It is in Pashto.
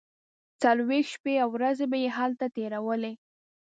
څلوېښت شپې او ورځې به یې هلته تیرولې.